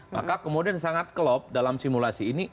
maka kemudian sangat klop dalam simulasi ini